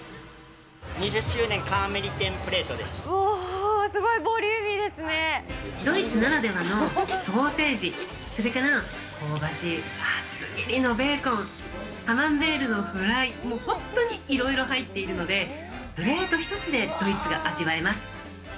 ２０周年カーメリテンプレーうわー、すごいボリューミードイツならではのソーセージ、それから香ばしい厚切りのベーコン、カマンベールのフライ、本当にいろいろ入っているので、プレート１つでドイツが味わえます。